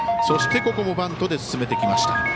そして、ここもバントで進めてきました。